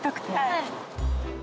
はい。